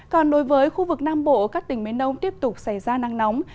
còn đối với khu vực nam bộ các tỉnh miền đông tiếp tục xảy ra nắng nóng